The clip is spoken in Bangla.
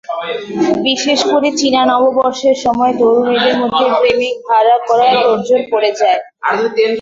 বিশেষ করে চীনা নববর্ষের সময় তরুণীদের মধ্যে প্রেমিক ভাড়া করার তোড়জোড় পড়ে যায়।